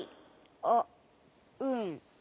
あっうん。